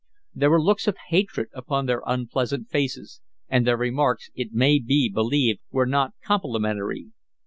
There were looks of hatred upon their unpleasant faces, and their remarks it may be believed were not complimentary.